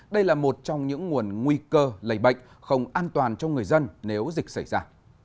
đây là một trong những nguồn nguy cơ lây bệnh không an toàn cho người dân nếu dịch xảy ra